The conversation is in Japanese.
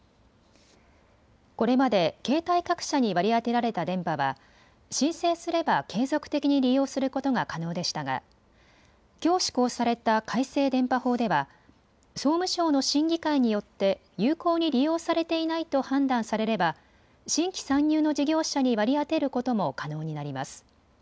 これまで携帯各社に割り当てられた電波は申請すれば継続的に利用することが可能でしたがきょう施行された改正電波法では総務省の審議会によって有効に利用されていないと判断されれば新規参入の事業者に割り当てることも可能になります。